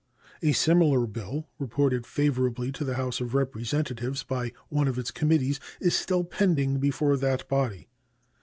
A similar bill, reported favorably to the House of Representatives by one of its committees, is still pending before that body.